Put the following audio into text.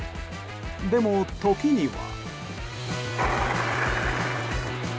でも、時には。